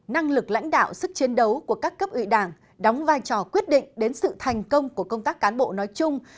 năng lực lãnh đạo sức chiến đấu của các cấp ủy đảng đóng vai trò quyết định đến sự thành công của công tác cán bộ nói chung